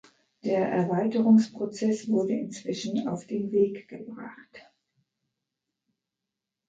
Der Erweiterungsprozess wurde inzwischen auf den Weg gebracht.